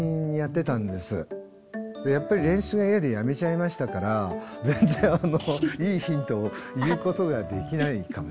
やっぱり練習が嫌でやめちゃいましたから全然いいヒントを言うことができないかもしれない。